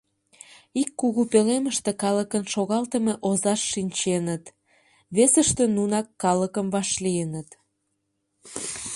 Ик кугу пӧлемыште калыкын шогалтыме озашт шинченыт, весыште нунак калыкым вашлийыныт.